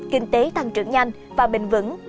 kinh tế tăng trưởng nhanh và bình vẩn